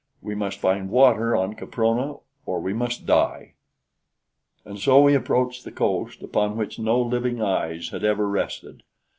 We must find water on Caprona, or we must die." And so we approached the coast upon which no living eyes had ever rested.